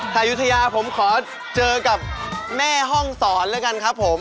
แต่ยุธยาผมขอเจอกับแม่ห้องศรแล้วกันครับผม